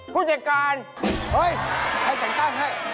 ผู้จัดการเฮ้ยใครแต่งตั้งให้